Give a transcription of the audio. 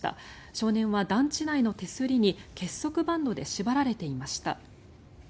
少年は団地内の手すりに結束バンドで縛られていました。